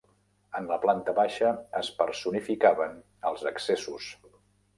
En la planta baixa es personificaven els accessos.